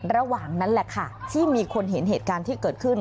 ระหว่างนั้นแหละค่ะที่มีคนเห็นเหตุการณ์ที่เกิดขึ้น